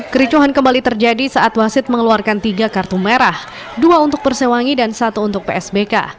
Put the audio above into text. kericuhan kembali terjadi saat wasit mengeluarkan tiga kartu merah dua untuk persewangi dan satu untuk psbk